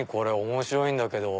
面白いんだけど。